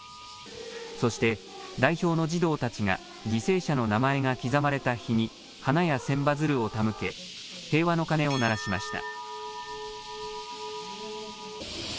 そして代表の児童たちが犠牲者の名前が刻まれた碑に花や千羽鶴を手向け、平和の鐘を鳴らしました。